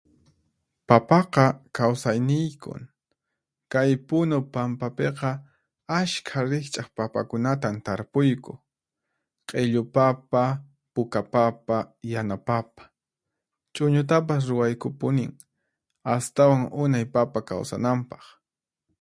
Papaqa kawsayniykun! Kay Punu pampapiqa ashkha riqch'aq papakunatan tarpuyku: q'illu papa, puka papa, yana papa. Ch'uñutapas ruwaykupunin astawan unay papa kawsananpaq.